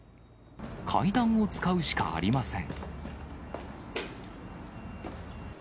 階段を使うしかありません。